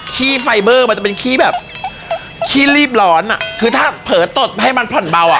ขี้ไฟเบอร์มันจะเป็นขี้แบบขี้รีบร้อนอ่ะคือถ้าเผลอตดให้มันผ่อนเบาอ่ะ